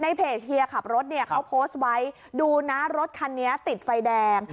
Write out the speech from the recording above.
เพจเฮียขับรถเนี่ยเขาโพสต์ไว้ดูนะรถคันนี้ติดไฟแดง